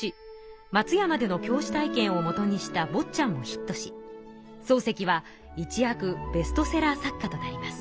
松山での教師体験をもとにした「坊っちゃん」もヒットし漱石はいちやくベストセラー作家となります。